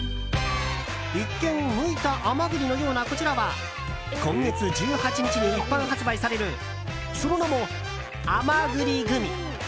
一見むいた甘栗のようなこちらは今月１８日に一般発売されるその名も甘栗グミ。